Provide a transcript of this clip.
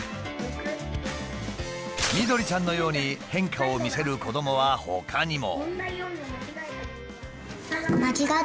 みどりちゃんのように変化を見せる子どもはほかにも。